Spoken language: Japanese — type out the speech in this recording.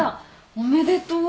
おめでとう。